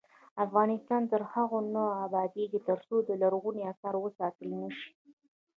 افغانستان تر هغو نه ابادیږي، ترڅو لرغوني اثار وساتل نشي.